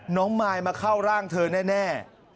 มายมาเข้าร่างเธอแน่